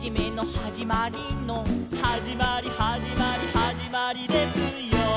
「はじまりはじまりはじまりですよ」